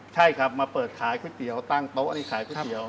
ใช่ครับมาเปิดขายก๋วยเตี๋ยวตั้งโต๊ะนี่ขายก๋วยเตี๋ยว